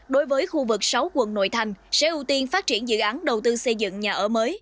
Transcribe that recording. đối với khu vực sáu quận nội thành sẽ ưu tiên phát triển dự án đầu tư xây dựng nhà ở mới